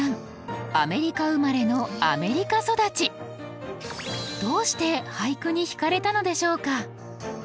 実はどうして俳句にひかれたのでしょうか？